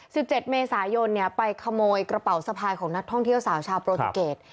สิบเจ็ดเมษายนเนี่ยไปขโมยกระเป๋าสะพายของนักท่องเที่ยวสาวชาวโปรตุเกต